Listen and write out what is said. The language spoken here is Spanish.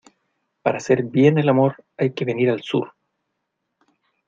Para hacer bien el amor hay que venir al sur.